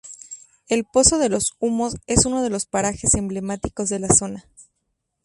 El Pozo de los Humos es uno de los parajes emblemáticos de la zona.